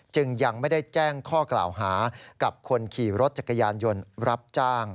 ยังไม่ได้แจ้งข้อกล่าวหากับคนขี่รถจักรยานยนต์รับจ้าง